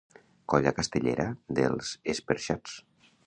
Colla Castellera dels Esperxats